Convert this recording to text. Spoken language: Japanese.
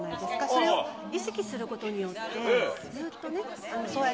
それを意識することによって、ずっとね。